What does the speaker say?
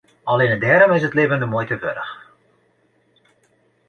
Allinne dêrom is it libben de muoite wurdich.